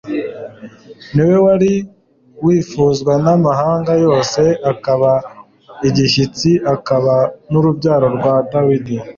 Ni We wari Uwifuzwa n'amahanga yose, akaba Igishyitsi, akaba n'Urubyaro rwa Dawidi,